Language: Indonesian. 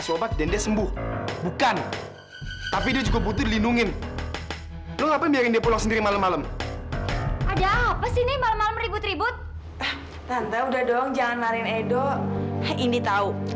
sampai jumpa di video selanjutnya